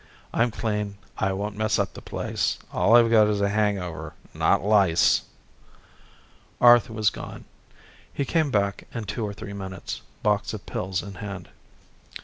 "I'm clean. I won't mess up the place. All I've got is a hangover, not lice." Arth was gone. He came back in two or three minutes, box of pills in hand.